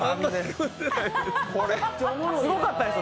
すごかったですよ。